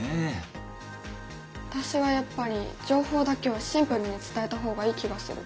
私はやっぱり情報だけをシンプルに伝えた方がいい気がする。